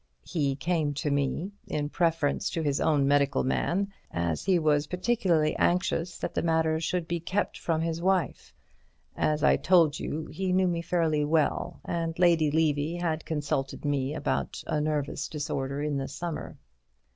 "He came to me, in preference to his own medical man, as he was particularly anxious that the matter should be kept from his wife. As I told you, he knew me fairly well, and Lady Levy had consulted me about a nervous disorder in the summer."